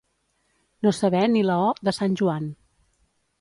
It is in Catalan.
No saber ni la «o» de sant Joan.